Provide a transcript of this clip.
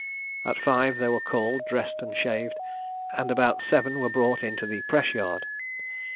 At five they were called, dressed, and shaved, and about seven were brought into the press yard.